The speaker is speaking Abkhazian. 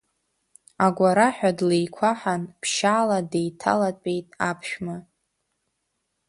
Агәараҳәа длеиқәаҳан, ԥшьаала деиҭалатәеит аԥшәма…